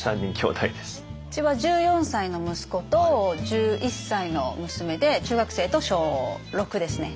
うちは１４歳の息子と１１歳の娘で中学生と小６ですね。